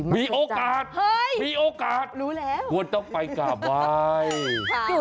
มีโอกาสมีโอกาสควรต้องไปกลับไว้รู้แล้ว